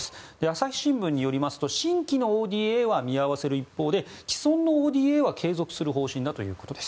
朝日新聞によりますと新規のＯＤＡは見合わせる一方で既存のＯＤＡは継続する方針だということです。